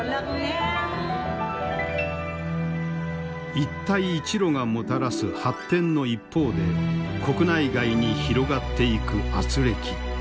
一帯一路がもたらす発展の一方で国内外に広がっていく軋轢。